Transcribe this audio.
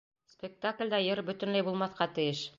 Спектаклдә йыр бөтөнләй булмаҫҡа тейеш!